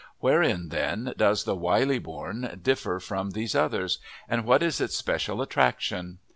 Wherein, then, does the "Wylye bourne" differ from these others, and what is its special attraction?